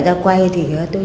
vân quốc gia đội hai mươi năm